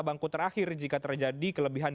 bangku terakhir jika terjadi kelebihan